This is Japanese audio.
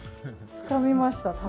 つかみました、